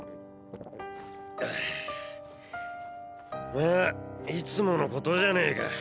まぁいつものことじゃねえか。